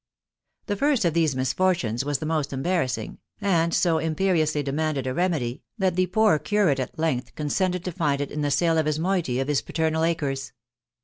The first of these misfortunes was the most embarrassing, and so imperiously demanded a remedy, that the poor curate at length consented to find it in the sale of his moiety of his paternal acres.